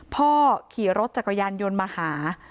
พ่อขี่รถจักรยานยนต์มาหา